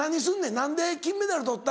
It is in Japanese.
何で金メダル取った。